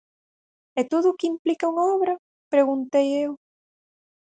E todo o que implica unha obra?, preguntei eu.